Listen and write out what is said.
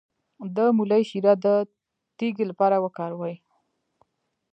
د مولی شیره د تیږې لپاره وکاروئ